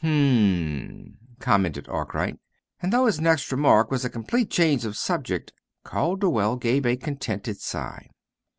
"Hm m," commented Arkwright. And, though his next remark was a complete change of subject, Calderwell gave a contented sigh.